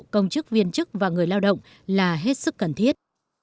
công chức viên chức và người lao động là hết sức cần thiết